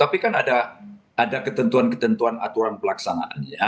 tapi kan ada ketentuan ketentuan aturan pelaksanaannya